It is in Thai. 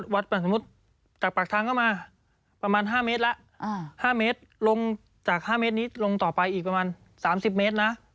สมมุติจากปากทางเข้ามาประมาณ๕เมตรละ๕เมตรลงจาก๕เมตรนี้ลงต่อไปอีกประมาณ๓๐เมตรนะ